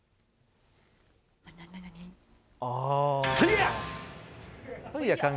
「ああ！」